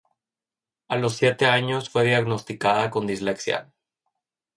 A lo siete años fue diagnosticada con dislexia.